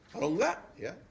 kalau nggak ya